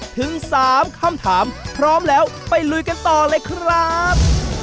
ถึง๓คำถามพร้อมแล้วไปลุยกันต่อเลยครับ